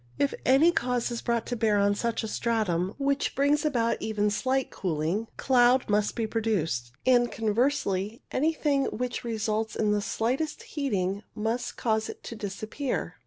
If any cause is brought to bear on such a stratum which brings about even slight cooling, cloud must be produced ; and, conversely, anything which results in the slightest heating must cause it to dis appear.